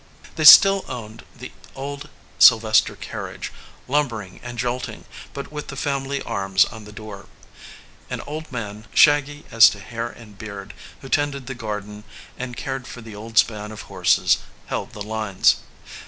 They still owned the old Sylvester carriage, lum bering and jolting, but with the family arms on the door. An old man, shaggy as to hair and beard, who tended the garden and cared for the old span of horses, held the lines.